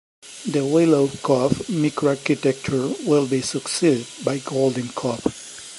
The Willow Cove microarchitecture will be succeeded by Golden Cove.